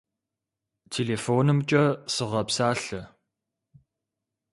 Телефонымкӏэ сыгъэпсалъэ.